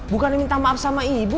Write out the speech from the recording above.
bukan minta maaf sama ibu